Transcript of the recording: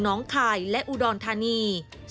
น้องคายและอุดรธานี